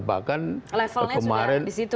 bahkan levelnya sudah di situ